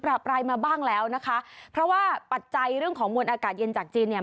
ปลายมาบ้างแล้วนะคะเพราะว่าปัจจัยเรื่องของมวลอากาศเย็นจากจีนเนี่ย